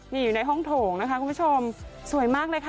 นี่อยู่ในห้องโถงนะคะคุณผู้ชมสวยมากเลยค่ะ